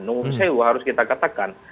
nunggu sewa harus kita katakan